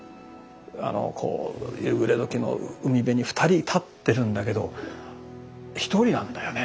夕暮れ時の海辺に二人立ってるんだけど一人なんだよね。